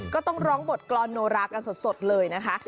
ก็ต้องร้องบทกรอนโนรากันสดเลยนะคะ